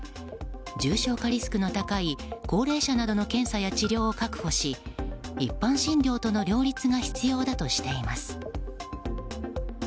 重症化リスクの高い高齢者などの検査や治療を確保し一般診療との両立が必要だとしています。